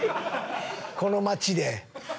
この町で。